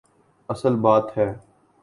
اصل بات ہے۔